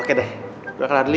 oke deh dua kali dulu ya